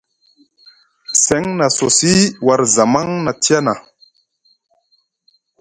Seŋ na sosi war zamaŋ na tiyana.